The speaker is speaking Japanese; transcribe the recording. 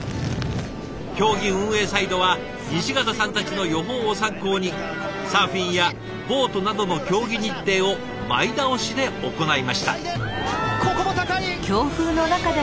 競技運営サイドは西潟さんたちの予報を参考にサーフィンやボートなどの競技日程を前倒しで行いました。